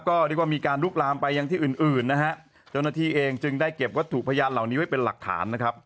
ก็เรียกว่ามีการลุกลามไปยังที่อื่นอื่นนะฮะเจ้าหน้าที่เองจึงได้เก็บวัตถุพยานเหล่านี้ไว้เป็นหลักฐานนะครับ